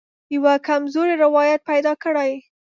یوه کمزوری روایت پیدا کړي.